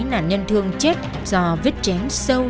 nạn nhân thương chết do vết chém sâu